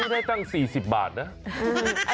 ได้ตั้ง๔๐บาทนะ